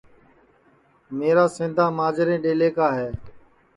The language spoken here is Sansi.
میرا سیندا ماجرے ڈؔیلیں کا ہے